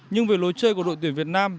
nhưng về lối chơi của đội tuyển việt nam